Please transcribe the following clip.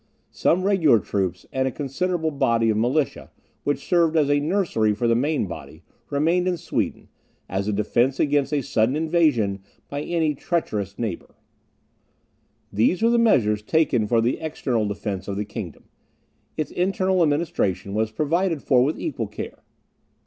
Some regular troops, and a considerable body of militia, which served as a nursery for the main body, remained in Sweden, as a defence against a sudden invasion by any treacherous neighbour. These were the measures taken for the external defence of the kingdom. Its internal administration was provided for with equal care.